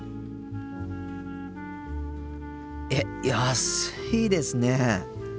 えっ安いですね。